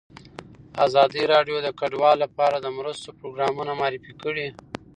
ازادي راډیو د کډوال لپاره د مرستو پروګرامونه معرفي کړي.